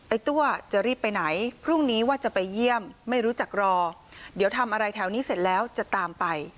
ตัวจะรีบไปไหนพรุ่งนี้ว่าจะไปเยี่ยมไม่รู้จักรอเดี๋ยวทำอะไรแถวนี้เสร็จแล้วจะตามไป